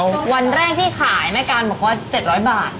ก็วันแรกที่ขายแม่การบอกว่า๗๐๐บาท